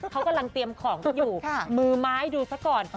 เขากำลังเตรียมของกันอยู่มือไม้ดูซะก่อน